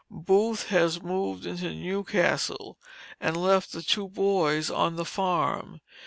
Booth has moved into New Castle, and left the two boys on the farm.